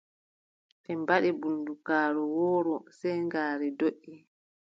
Ɓe mbaɗi bundugaaru wooru sey ngaari doʼi.